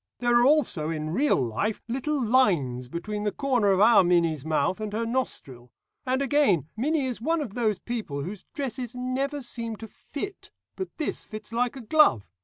There are also in real life little lines between the corner of our Minnie's mouth and her nostril. And again, Minnie is one of those people whose dresses never seem to fit, but this fits like a glove.